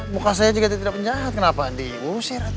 muka saya juga tidak penjahat kenapa diusir